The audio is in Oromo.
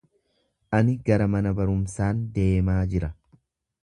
Ani gara mana barumsaan deemaa jira.